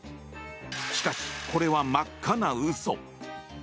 しかし、これは真っ赤な嘘。